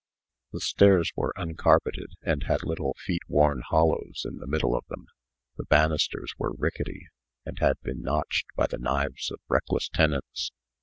The stairs were uncarpeted, and had little feet worn hollows in the middle of them. The banisters were rickety, and had been notched by the knives of reckless tenants.